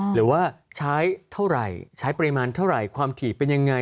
หรือว่าใช้เท่าไหร่ใช้ปริมาณเท่าไหร่ความถี่เป็นยังไง